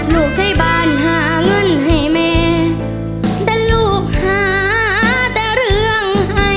ลูกใช้บ้านหาเงินให้แม่แต่ลูกหาแต่เรื่องให้